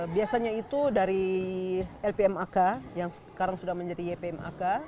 biasanya itu dari lpmak yang sekarang sudah menjadi ypmak